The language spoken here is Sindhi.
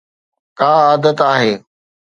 ڪا عادت آهي.